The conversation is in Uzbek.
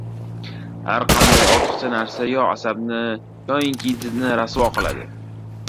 Har qanday ortiqcha narsa yo asabni, yoinki didni rasvo qiladi.